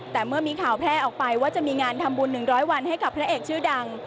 แต่เมื่อมีข่าวแพร่ออกไปว่าจะมีงานทำบุญ๑๐๐วันให้กับพระเอกชื่อดัง